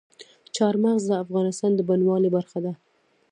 چار مغز د افغانستان د بڼوالۍ برخه ده.